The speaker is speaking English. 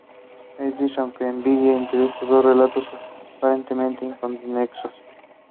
Montenegro entered two athletes into the athletics competition at the games.